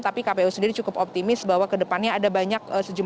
tapi kpu sendiri cukup optimis bahwa kedepannya ada banyak sejumlah